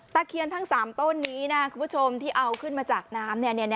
เคียนทั้ง๓ต้นนี้นะคุณผู้ชมที่เอาขึ้นมาจากน้ำ